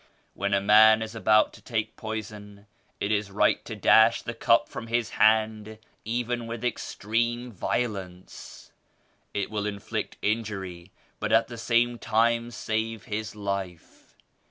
When a man is about to take poison it is right to dash the cup from his hand even with extreme violence. It will inflict in jury but at the same time save his life.